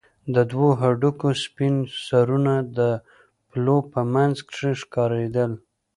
د دوو هډوکو سپين سرونه د پلو په منځ کښې ښکارېدل.